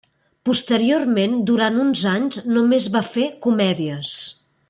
Posteriorment durant uns anys només va fer comèdies.